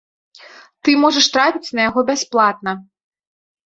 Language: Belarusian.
Ты можаш трапіць на яго бясплатна.